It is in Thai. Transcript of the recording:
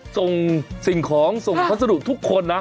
ส่งสิ่งของส่งพัสดุทุกคนนะ